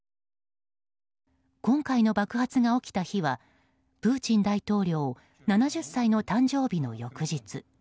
今回の爆発が起きた日はプーチン大統領７０歳の誕生日の翌日。